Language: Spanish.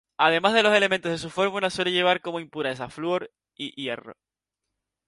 Además de los elementos de su fórmula, suele llevar como impurezas: flúor y hierro.